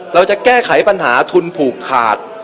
เราจะแก้ไขปัญหาทุนผูกขาด